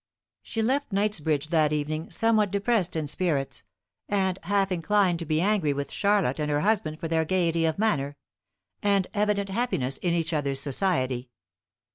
She left Knightsbridge that evening somewhat depressed in spirits, and half inclined to be angry with Charlotte and her husband for their gaiety of manner, and evident happiness in each other's society.